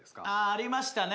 ありましたね。